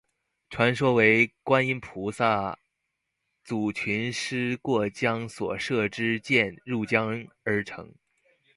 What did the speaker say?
传说为观音菩萨阻群狮过江所射之箭入江而成。